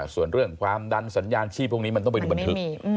ส่วนเรื่องความดันสัญญาณชีพพวกนี้มันต้องไปดูบันทึก